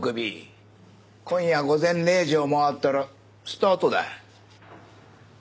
今夜午前０時を回ったらスタートだ。